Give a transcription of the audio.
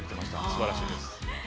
すばらしいです。